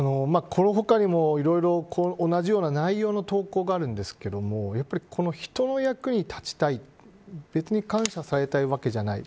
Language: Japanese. この他にも、いろいろ同じような内容の投稿があるんですけれども人の役に立ちたい別に感謝されたいわけじゃない。